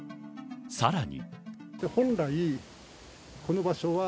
さらに。